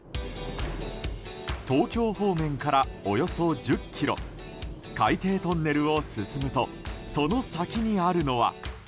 東京方面から、およそ１０ｋｍ海底トンネルを進むとその先にあるのは。